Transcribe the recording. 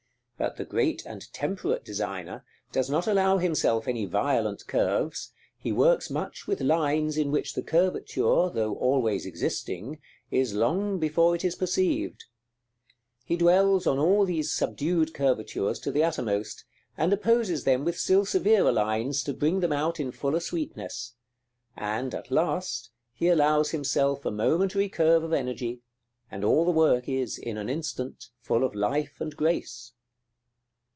But the great and temperate designer does not allow himself any violent curves; he works much with lines in which the curvature, though always existing, is long before it is perceived. He dwells on all these subdued curvatures to the uttermost, and opposes them with still severer lines to bring them out in fuller sweetness; and, at last, he allows himself a momentary curve of energy, and all the work is, in an instant, full of life and grace.